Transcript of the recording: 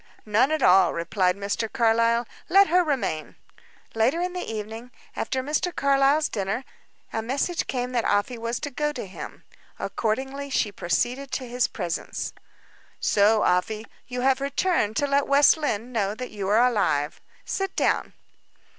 "None at all," replied Mr. Carlyle. "Let her remain." Later in the evening, after Mr. Carlyle's dinner, a message came that Afy was to go to him. Accordingly she proceeded to his presence. "So, Afy, you have returned to let West Lynne know that you are alive. Sit down."